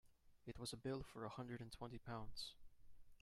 It was a bill for a hundred and twenty pounds.